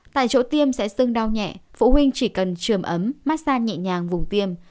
tại chỗ tiêm sẽ sưng đau nhẹ phụ huynh chỉ cần trường ấm mát xa nhẹ nhàng vùng tiêm